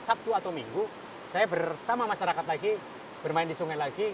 sabtu atau minggu saya bersama masyarakat lagi bermain di sungai lagi